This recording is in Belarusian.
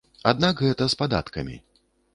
Аднак гэта з падаткамі.